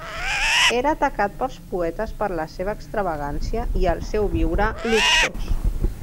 Era atacat pels poetes per la seva extravagància i el seu viure luxós.